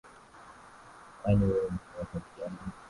Kwani we unafanya kazi gani?